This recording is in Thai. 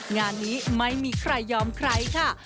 งานนี้ไม่มีใครยอมใครค่ะ